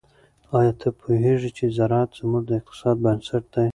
آیا ته پوهیږې چې زراعت زموږ د اقتصاد بنسټ دی؟